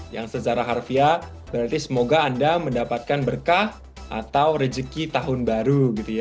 yang secara harfiah berarti semoga anda mendapatkan berkah atau rezeki tahun baru